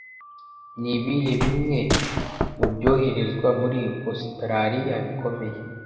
Nibihe bimwe mubyoherezwa muri Ositaraliya bikomeye?